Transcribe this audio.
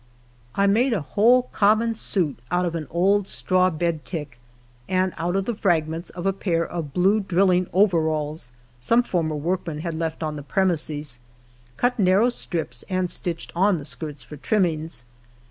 I made a whole common suit out of an old straw bed tick, and out of the fragments of a pair of blue drilling overalls some former workman had left on the premises cut narrow strips and stitched on the skirts for trimmings.